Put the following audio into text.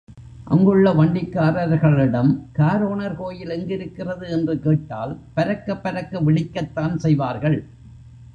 அங்குள்ள வண்டிக்காரர்களிடம் காரோணர் கோயில் எங்கிருக்கிறது என்று கேட்டால் பரக்கப் பரக்க விழிக்கத்தான் செய்வார்கள்.